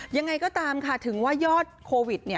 ยังไงก็ตามค่ะถึงว่ายอดโควิด